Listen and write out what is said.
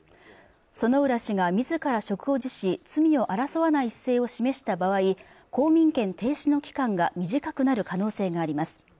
薗浦氏が自ら職を辞し罪を争わない姿勢を示した場合公民権停止の期間が短くなる可能性があります